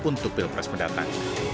untuk pilpres mendatang